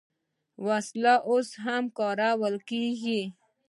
دا وسله اوس هم کارول کیږي.